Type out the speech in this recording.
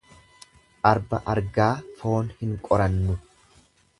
Arba argaa foon hin qorannu.